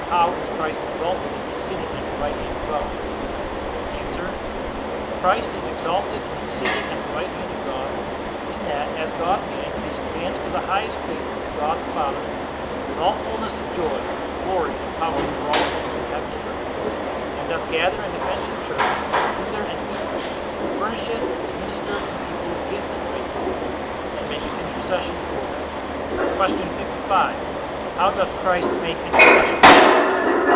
How is Christ exalted in his sitting at the right hand of God? A. Christ is exalted in his sitting at the right hand of God, in that as God man he is advanced to the highest favor with God the Father, with all fullness of joy, glory, and power over all things in heaven and earth; and doth gather and defend his church, and subdue their enemies; furnisheth his ministers and people with gifts and graces, and maketh intercession for them. Q. 55. How doth Christ make intercession?